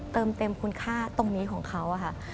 เติมเต็มคุณค่าตรงนี้ของเขาค่ะ